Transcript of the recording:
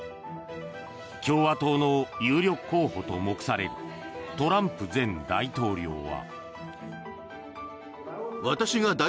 共和党の有力候補と目されるトランプ前大統領は。